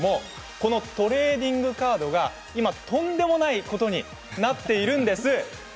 このトレーディングカードが今とんでもないことになっているんです。